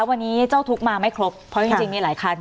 วันนี้เจ้าทุกข์มาไม่ครบเพราะจริงมีหลายคัน